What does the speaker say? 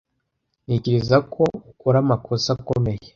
Ntekereza ko ukora amakosa akomeye.